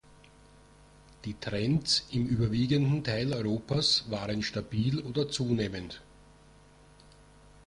Die Trends im überwiegenden Teil Europas waren stabil oder zunehmend.